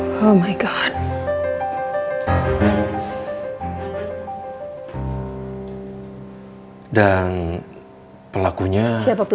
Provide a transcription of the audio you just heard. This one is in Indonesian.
selepas bisa herd apabila dia kebanyakan tangguh